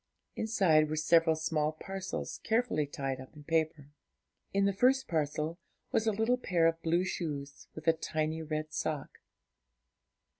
Inside were several small parcels carefully tied up in paper. In the first parcel was a little pair of blue shoes, with a tiny red sock.